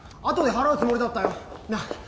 あとで払うつもりだったよなあ